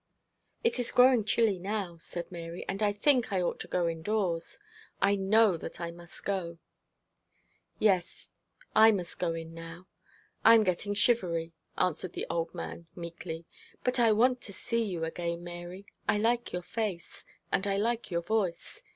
'It is growing chilly now,' said Mary, 'and I think you ought to go indoors. I know that I must go.' 'Yes, I must go in now I am getting shivery,' answered the old man, meekly. 'But I want to see you again, Mary I like your face and I like your voice.